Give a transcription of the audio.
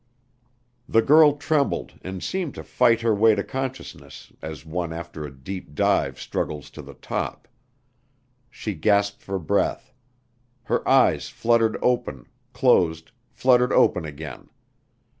The girl trembled and seemed to fight her way to consciousness as one after a deep dive struggles to the top. She gasped for breath. Her eyes fluttered open, closed, fluttered open again.